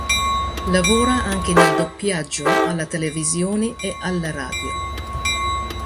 Lavora anche nel doppiaggio, alla televisione e alla radio.